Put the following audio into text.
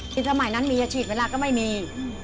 คือสมัยนั้นมีอาชีพเวลาก็ไม่มี